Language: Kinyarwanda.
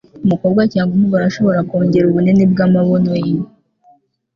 umukobwa cg umugore ashobora kongera ubunini bwamabuno ye